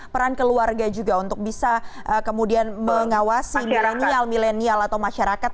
peran keluarga juga untuk bisa kemudian mengawasi milenial milenial atau masyarakat